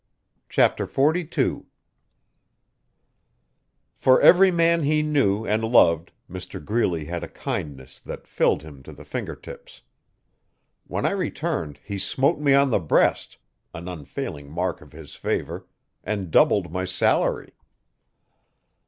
Chapter 42 For every man he knew and loved Mr Greeley had a kindness that filled him to the fingertips. When I returned he smote me on the breast an unfailing mark of his favour and doubled my salary.